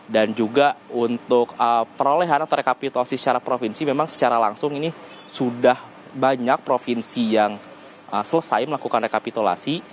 dan juga untuk perolehan atau rekapitulasi secara provinsi memang secara langsung ini sudah banyak provinsi yang selesai melakukan rekapitulasi